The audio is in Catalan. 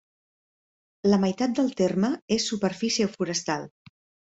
La meitat del terme és superfície forestal.